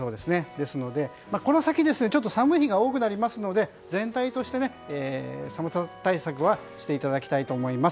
ですのでこの先ちょっと寒い日が多くなりますので、全体として寒さ対策はしていただきたいと思います。